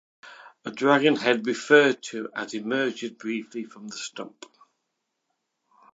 A dragon head referred to as emerges briefly from the stump.